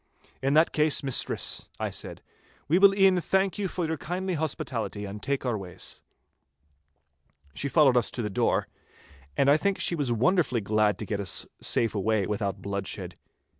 'In that case, mistress,' I said, 'we will e'en thank you for your kindly hospitality and take our ways.' She followed us to the door, and I think she was wonderfully glad to get us safe away without bloodshed.